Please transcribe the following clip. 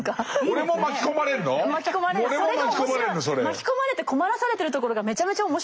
巻き込まれて困らされてるところがめちゃめちゃ面白いんですよ。